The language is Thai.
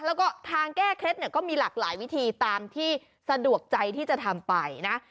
แล้วก็ทางแก้เคล็ดเนี่ยก็มีหลากหลายวิธีตามที่สะดวกใจที่จะทำไปนะ